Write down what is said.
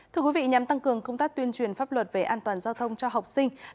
thưa quý vị nhằm tăng cường công tác tuyên truyền pháp luật về an toàn giao thông cho học sinh